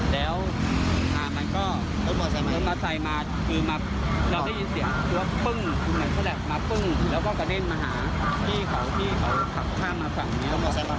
แล้วก็เสียหลักมาปึ้งแล้วก็กระเด้นมาหาที่เขาขับข้ามมาฝั่งนี้